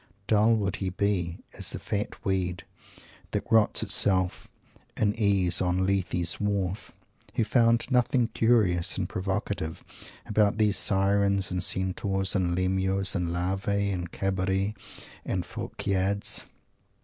Dull would he be, as "the fat weed that rots itself in case on Lethe's wharf," who found nothing curious and provocative about these Sirens and Centaurs and Lemures and Larvae and Cabiri and Phorkyads!